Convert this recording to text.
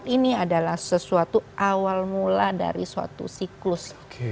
ini adalah sesuatu awal mula dari suatu siklus